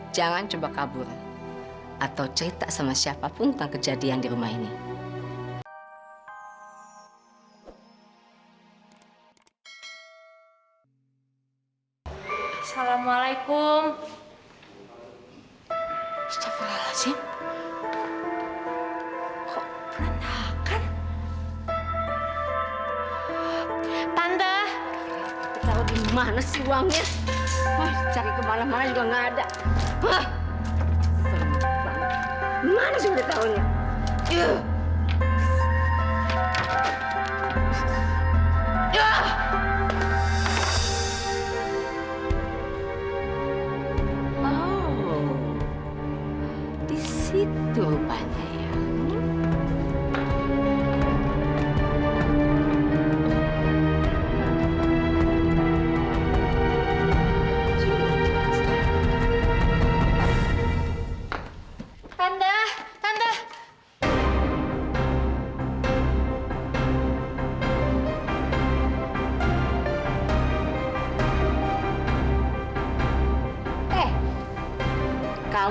sampai jumpa di video selanjutnya